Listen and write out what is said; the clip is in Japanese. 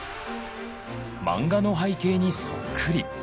漫画の背景にそっくり。